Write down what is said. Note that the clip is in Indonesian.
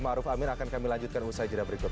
ma'ruf amin akan kami lanjutkan usai jadwal berikut